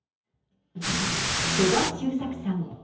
鳥羽周作さん。